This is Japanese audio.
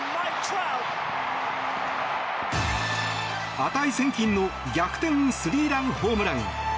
値千金の逆転スリーランホームラン。